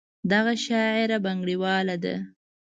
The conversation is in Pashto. دغه شاعره بنګړیواله ده.